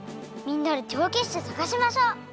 みんなでてわけしてさがしましょう！